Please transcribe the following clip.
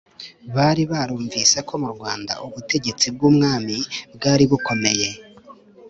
bari barumvise ko mu Rwanda ubutegetsi bw'umwami bwari bukomeye,